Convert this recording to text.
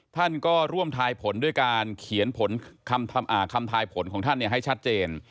ท่านก็ร่วมทายผลด้วยการเขียนคำทายผลของท่านให้ชัดเจน